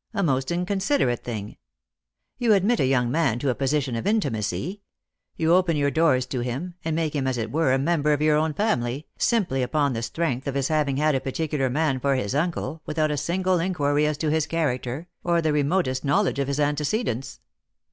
" A most inconsiderate thing. You admit a young man to a position of intimacy. You open your doors to him, and make him, as it were, a member of your own family, simply upon the strength of his having had a particular man for his uncle, with out a single inquiry as to his character, or the remotest know ledge of his antecedents.